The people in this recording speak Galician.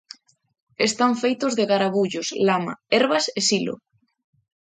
Están feitos de garabullos, lama, herbas e silo.